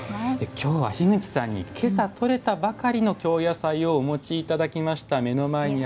きょうは樋口さんにけさ採れたばかりの京野菜をお持ちいただきました。